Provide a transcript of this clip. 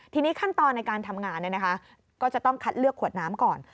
ทีนี้ขั้นตอนในการทำงานก็จะต้องคัดเลือกขวดน้ำก่อน